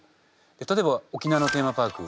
例えば沖縄のテーマパーク